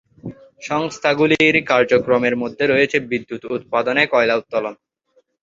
সংস্থাগুলির কার্যক্রমের মধ্যে রয়েছে বিদ্যুৎ উৎপাদনে কয়লা উত্তোলন।